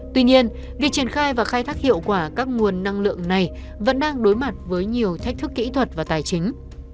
tuy nhiên việc triển khai và khai thác hiệu quả các nguồn năng lượng này vẫn đang đối mặt với nhiều thách thức kỹ thuật và tài chính